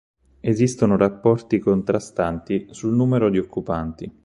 Esistono rapporti contrastanti sul numero di occupanti.